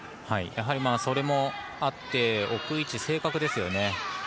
やはりそれもあって置く位置、正確ですよね。